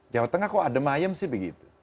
jawa tengah kok ada mayem sih begitu